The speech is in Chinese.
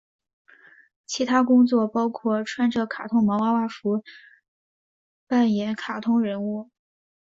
其他工作包括穿着卡通毛娃娃服扮演卡通人物。